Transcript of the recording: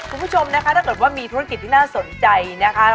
คุณผู้ชมนะคะถ้าเกิดว่ามีธุรกิจที่น่าสนใจนะคะ